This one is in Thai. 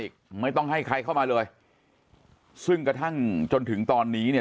อีกไม่ต้องให้ใครเข้ามาเลยซึ่งกระทั่งจนถึงตอนนี้เนี่ย